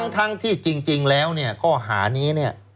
ตั้งที่จริงแล้วข้อหานี้